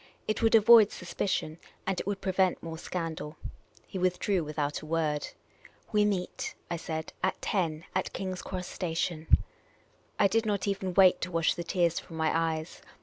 It would avoid suspicion, and it would prevent more scandal. He withdrew without a word. " We meet," I said, " at ten, at King's Cross Station." I did not even wait to wash the tears from my eyes.